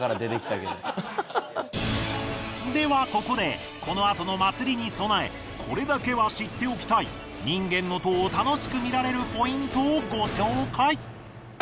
ではここでこの後の祭りに備えこれだけは知っておきたい人間の塔を楽しく見られるポイントをご紹介！